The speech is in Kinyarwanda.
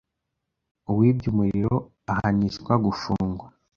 uwibye umuriro ahanishwa gufungwa